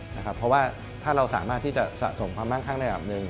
เพราะว่าถ้าเราสามารถที่จะสะสมความมั่งข้างในอันดับหนึ่ง